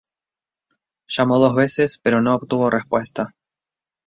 Llamó dos veces, pero no obtuvo respuesta.